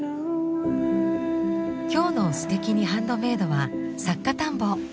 今日の「すてきにハンドメイド」は作家探訪。